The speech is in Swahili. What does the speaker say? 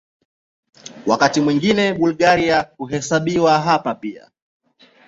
Wakati mwingine Bulgaria huhesabiwa hapa pia.